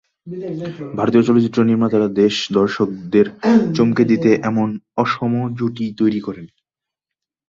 ভারতীয় চলচ্চিত্র নির্মাতারা যেন দর্শকদের চমকে দিতেই এমন অসম জুটি তৈরি করেন।